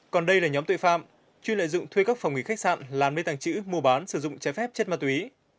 còn đây là nhóm tội phạm chuyên lợi dụng thuê các phòng nghỉ khách sạn làm mê tàng chữ mua bán sử dụng trái phép chất ma túy